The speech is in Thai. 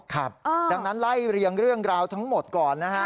ครับดังนั้นไล่เรียงเรื่องราวทั้งหมดก่อนนะฮะ